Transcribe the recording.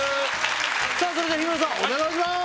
さあそれでは日村さんお願いします！